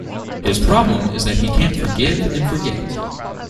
His problem is that he can't forgive and forget